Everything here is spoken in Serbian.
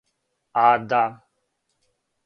ада